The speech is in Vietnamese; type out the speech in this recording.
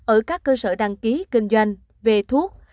ở các cơ sở đăng ký kinh doanh về thuốc